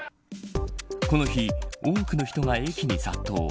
この日、多くの人が駅に殺到。